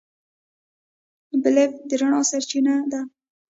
بلب د رڼا سرچینه ده.